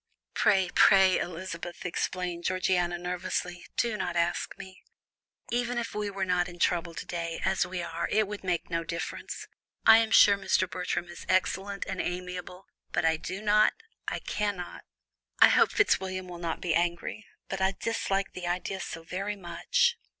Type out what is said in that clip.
"Pray, pray, Elizabeth," exclaimed Georgiana, nervously, "do not ask me. Even if we were not in trouble to day, as we are, it would make no difference. I am sure Mr. Bertram is excellent and amiable, but I do not I cannot I hope Fitzwilliam will not be angry, but I dislike the idea so very much."